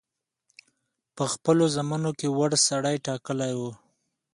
په خپلو زامنو کې وړ سړی ټاکلی وو.